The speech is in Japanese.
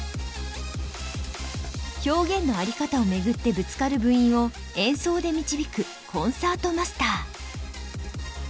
表現のあり方を巡ってぶつかる部員を演奏で導くコンサートマスター。